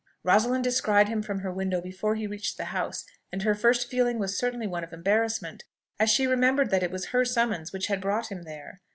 Rosalind descried him from her window before he reached the house; and her first feeling was certainly one of embarrassment, as she remembered that it was her summons which had brought him there.